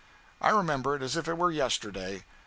I remember it as if it were yesterday.